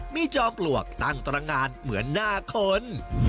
มีจอมปลวกตั้งตรงานเหมือนหน้าคน